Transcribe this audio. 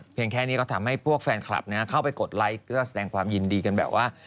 แค่นี้ก็ทำให้พวกแฟนคลับเข้าไปกดไลค์เพื่อแสดงความยินดีกันแบบว่า